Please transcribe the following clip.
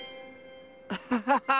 アハハハー！